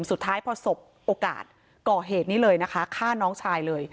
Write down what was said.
สุดท้ายพอสบโอกาสก่อเหตุนี้เลยนะคะฆ่าน้องชายเลย